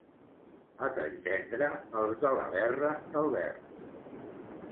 A Talltendre, els de la Verra del Vern.